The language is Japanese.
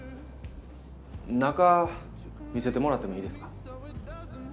中見せてもらってもいいですか？